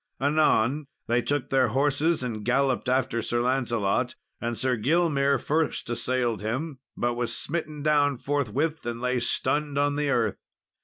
Anon, they took their horses and galloped after Sir Lancelot; and Sir Gilmere first assailed him, but was smitten down forthwith, and lay stunned on the earth.